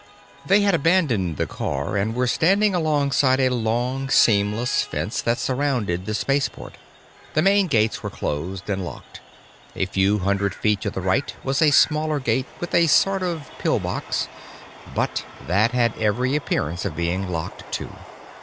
They had abandoned the car and were standing outside a long, seamless fence that surrounded the spaceport. The main gates were closed and locked; a few hundred feet to the right was a smaller gate with a sort of pillbox, but that had every appearance of being locked too.